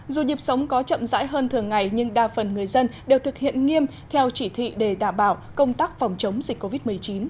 dù nhịp sống có chậm rãi hơn thường ngày nhưng đa phần người dân đều thực hiện nghiêm theo chỉ thị để đảm bảo công tác phòng chống dịch covid một mươi chín